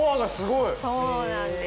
そうなんです。